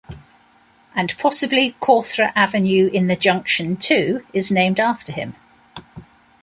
And possibly Cawthra Avenue in the Junction too, is named after him.